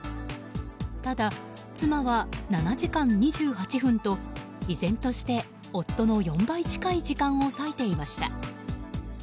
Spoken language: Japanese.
ただ妻は７時間２８分と依然として夫の４倍近い時間を割いていました。